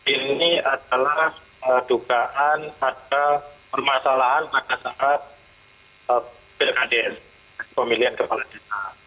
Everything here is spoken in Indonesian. ini adalah dugaan ada permasalahan pada saat pemilihan kepala desa